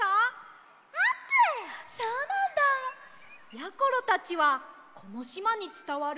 やころたちはこのしまにつたわる